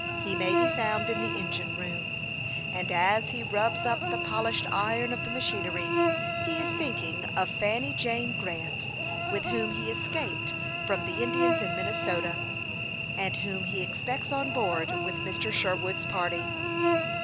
He may be found in the engine room ; and as he rubs up the polished iron of the machinery, he is thinking of Fanny Jane 40 HASTE AND WASTE, OB Grant, with whom he escaped from the Indians in Minnesota, and whom he expects on board with Mr. Sherwood's party.